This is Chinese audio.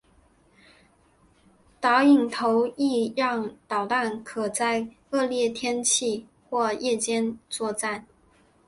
导引头亦让导弹可在恶劣天气或夜间作战。